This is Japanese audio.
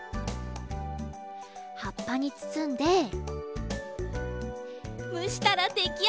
はっぱにつつんでむしたらできあがり！